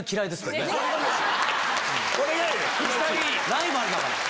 ライバルだから。